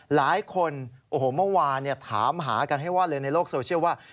หลายคนโอ้โหเมื่อวานถามหากันให้ว่อนเลยในโลกโซเชียลว่า